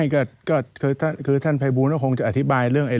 คือคือท่านไพบูลมันจะอธิบายเรื่องเนี่ย